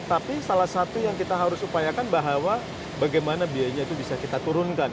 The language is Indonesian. tapi salah satu yang kita harus upayakan bahwa bagaimana biayanya itu bisa kita turunkan